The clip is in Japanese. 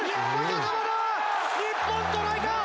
日本トライだ！